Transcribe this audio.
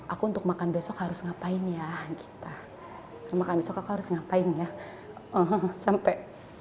aku untuk makan besok harus ngapain ya kita makan besok aku harus ngapain ya sampai